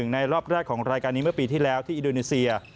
ในรอบแรกของรายการนี้เมื่อปีที่แล้วที่อินโดนีเซีย